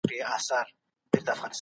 کمپيوټر خوب تنظيموي.